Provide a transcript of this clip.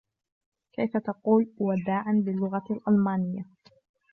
كيف تقول " وداعًا " باللغة الألمانية ؟